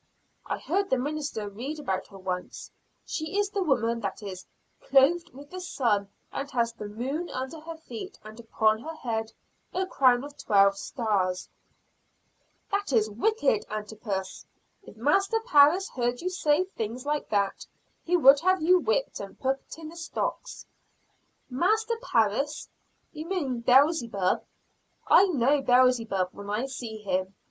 I heard the minister read about her once, she is the woman that is 'clothed with the sun and has the moon under her feet, and upon her head a crown of twelve stars.'" "That is wicked, Antipas. If Master Parris heard that you said things like that, he would have you whipped and put in the stocks." "Master Parris? you mean Beelzebub! I know Beelzebub when I see him."